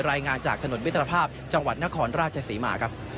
รายงานจากถนนมิตรภาพจังหวัดนครราชศรีมาครับ